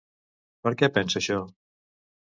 Per què pensa això?